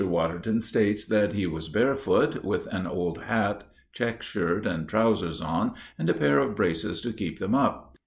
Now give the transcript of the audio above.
Waterton states that he was barefoot, with an old hat, check shirt and trousers on, and a pair of braces to keep them up.